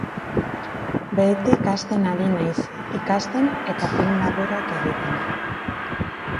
Behetik hasten ari naiz, ikasten eta film laburrak egiten.